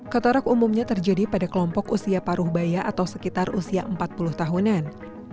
katarak umumnya terjadi pada kelompok usia paruh baya atau sekitar usia empat puluh tahunan